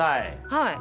はい。